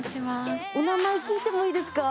お名前聞いてもいいですか？